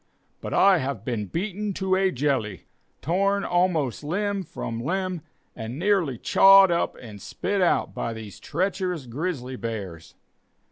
But I have been beaten to a jelly, torn almost limb from limb, and nearly chawed up and spit out by these treacherous grizzly bears.